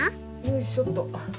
よいしょっと。